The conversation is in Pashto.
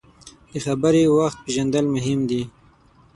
د خبرې وخت پیژندل مهم دي.